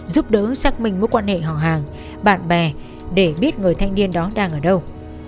giúp đỡ xác minh mối quan hệ họ hàng bạn bè để biết người thanh niên đó đang ở đâu